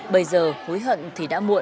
bây giờ hối hận thì đã muộn